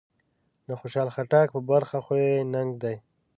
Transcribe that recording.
د خوشحال خټک په برخه خو يو ننګ دی.